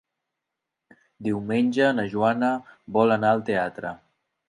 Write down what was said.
Diumenge na Joana vol anar al teatre.